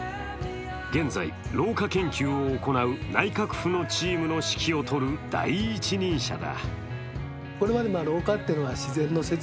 現在、老化研究を行う内閣府のチームの指揮を執る第一人者だ。